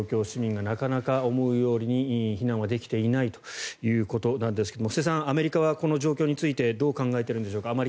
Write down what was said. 市民がなかなか思うように避難はできていないということなんですが布施さん、アメリカはこの状況についてどう考えているんでしょうか？